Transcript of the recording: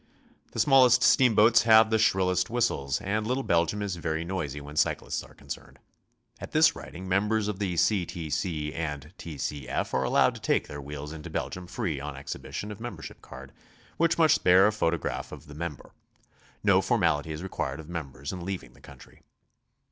The smallest steam boats have the shrillest whistles, and little Belgium is very noisy when cyclists are concerned. At this writing mem bers of the C. T. C. and T. C. F. are allowed to take their wheels into Belgium free on exhibition of membership card, which must bear a photograph of the member. No formality is required of members in leaving the country.